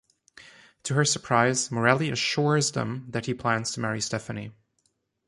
To her surprise, Morelli assures them that he plans to marry Stephanie.